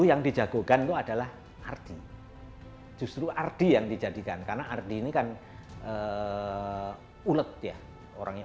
yang dijagokan itu adalah ardi justru ardi yang dijadikan karena ardi ini kan ulet ya orangnya